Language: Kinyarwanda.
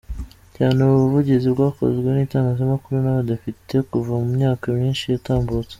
Cyane ubu buvugizi bwakozwe n’ itangazamakuru n’ abadepite kuva mu myaka myinshi yatambutse.